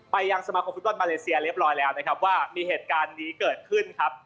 ยังสมาคมฟุตบอลมาเลเซียเรียบร้อยแล้วนะครับว่ามีเหตุการณ์นี้เกิดขึ้นครับ